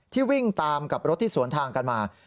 วิ่งตามกับรถที่สวนทางกันมา